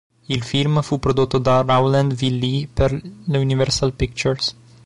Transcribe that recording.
Il film fu prodotto da Rowland V. Lee per l'Universal Pictures.